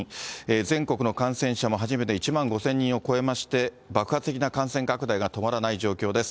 全国の感染者も初めて１万５０００人を超えまして、爆発的な感染拡大が止まらない状況です。